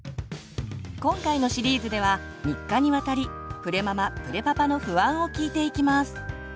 今回のシリーズでは３日にわたりプレママ・プレパパの不安を聞いていきます。